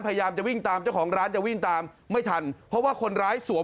พยายามจะวิ่งตามเจ้าของร้านจะวิ่งตามไม่ทันเพราะว่าคนร้ายสวม